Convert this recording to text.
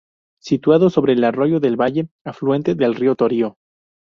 Situado sobre el Arroyo del Valle, afluente del Río Torío.